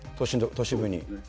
都心部に。